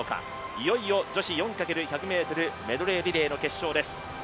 いよいよ女子４×１００ｍメドレーリレーの決勝です。